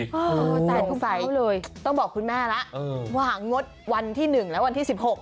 อ๋อจ่ายหลักพันทุกทีต้องบอกคุณแม่แล้วหว่างงดวันที่๑และวันที่๑๖